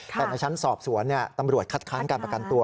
แต่ในชั้นสอบสวนตำรวจคัดค้านการประกันตัว